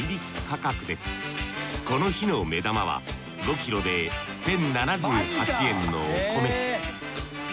この日の目玉は５ｋｇで１，０７８円のお米。